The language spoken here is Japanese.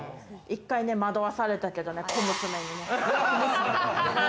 一回惑わされたけどね、小娘にね。